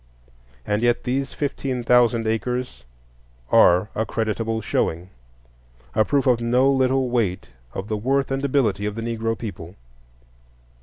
And yet these fifteen thousand acres are a creditable showing,—a proof of no little weight of the worth and ability of the Negro people.